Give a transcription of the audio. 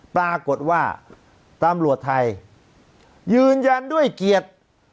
ปรากฏว่าตำรวจไทยยืนยันด้วยเกียรติ